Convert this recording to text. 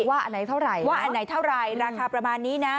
อันไหนเท่าไหร่ว่าอันไหนเท่าไรราคาประมาณนี้นะ